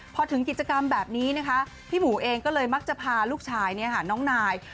พอถึงกิจกรรมแบบนี้นะคะพี่หมูเองก็เลยมักจะพาลูกชายน้องนาย